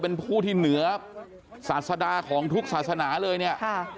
เป็นผู้ที่เหนือศาสดาของทุกศาสนาเลยเนี่ย